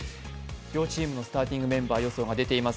両チームのスターティングメンバーの予想が出ています。